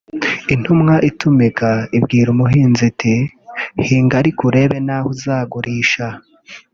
Intumwa itumika ibwira umuhinzi iti hinga ariko urebe n’aho uzagurisha